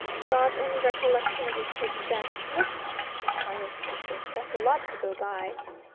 "Got any recollection of his exact look?" inquired the Inspector. "That's a lot to go by."